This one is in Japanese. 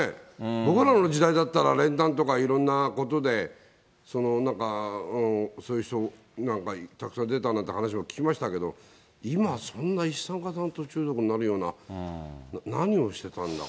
僕らの時代だったら、練炭とかいろんなことでそのなんか、そういう、なんか、たくさん出たなんて話聞きましたけど、今、そんな一酸化炭素中毒になるような何をしてたんだか。